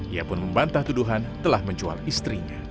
ia pun membantah tuduhan telah menjual istrinya